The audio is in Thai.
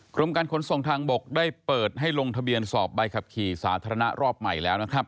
กรมการขนส่งทางบกได้เปิดให้ลงทะเบียนสอบใบขับขี่สาธารณะรอบใหม่แล้วนะครับ